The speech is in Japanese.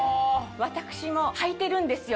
私もはいてるんですよ。